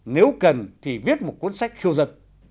nếu cần thì viết một cuốn sách khiêu dật